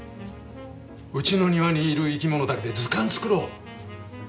うちの庭にいる生き物だけで図鑑作ろう。